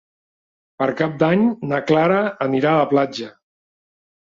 Per Cap d'Any na Clara anirà a la platja.